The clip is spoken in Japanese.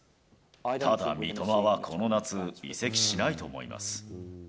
ただ三笘はこの夏、移籍しないと思います。